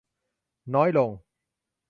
น้อยลง